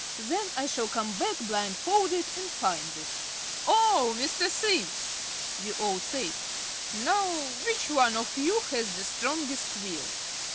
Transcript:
Then I shall come back blindfolded and find it." "Oh, Mr. Simms!" we all said. "Now, which one of you has the strongest will?"